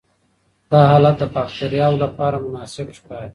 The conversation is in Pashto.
دا حالت د باکټریاوو لپاره مناسب ښکاري.